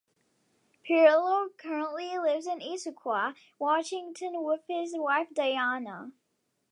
Pirillo currently lives in Issaquah, Washington, with his wife, Diana.